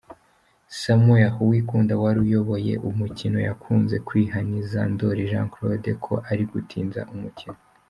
Samuel Uwikunda wari uyoboye umukino yakunze kwihaniza Ndoli Jean Claude ko ari gutinza umukino.